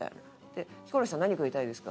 ヒコロヒーさん何食いたいですか？」